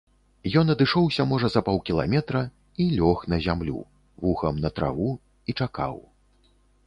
Ён адышоўся можа за паўкіламетра, і лёг на зямлю, вухам на траву, і чакаў.